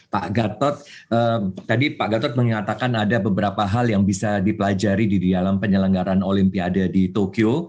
pak gatot tadi pak gatot mengatakan ada beberapa hal yang bisa dipelajari di dalam penyelenggaran olimpiade di tokyo